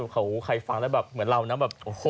ใครฟังแล้วเหมือนเราน่ะ